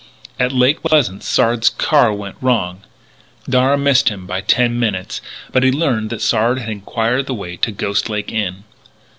At Lake Pleasant Sard's car went wrong. Darragh missed him by ten minutes; but he learned that Sard had inquired the way to Ghost Lake Inn.